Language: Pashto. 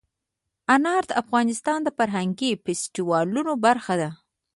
انار د افغانستان د فرهنګي فستیوالونو برخه ده.